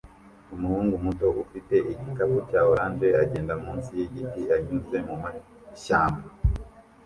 Umuhungu muto ufite igikapu cya orange agenda munsi yigiti anyuze mumashyamba